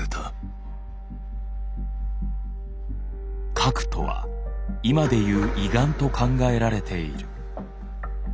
「膈」とは今でいう胃ガンと考えられている。